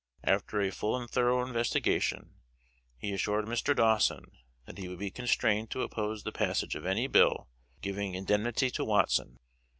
After a full and thorough investigation, he assured Mr. Dawson that he would be constrained to oppose the passage of any bill giving indemnity to Watson.